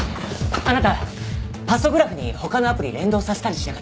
あなたパソグラフに他のアプリ連動させたりしなかった？